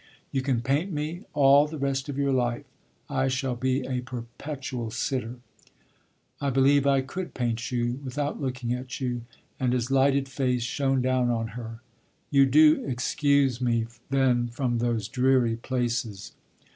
"You can paint me all the rest of your life. I shall be a perpetual sitter." "I believe I could paint you without looking at you" and his lighted face shone down on her. "You do excuse me then from those dreary places?"